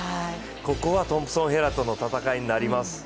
ここはトンプソン・ヘラとの戦いになります。